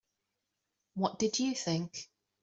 What did you think?